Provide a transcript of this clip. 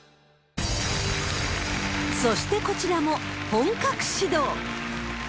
そしてこちらも本格始動。